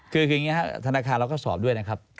คืออย่างนี้ครับธนาคารเราก็สอบด้วยนะครับ